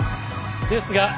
ですが